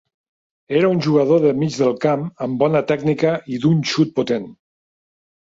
Era un jugador de mig del camp amb bona tècnica i d'un xut potent.